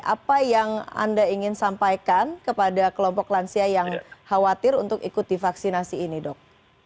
apa yang anda ingin sampaikan kepada kelompok lansia yang khawatir untuk ikut divaksinasi ini dok